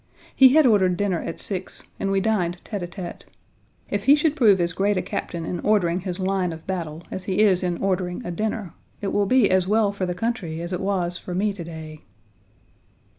He had ordered dinner at six, and we dined tete a tete. If he should prove as great a captain in ordering his line of battle as he is in ordering a dinner, it will be as well for the country as it was for me to day.